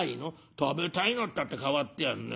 「食べたいのったって変わってやんね。